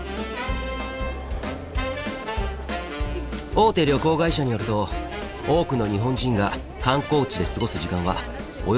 大手旅行会社によると多くの日本人が観光地で過ごす時間はおよそ２時間。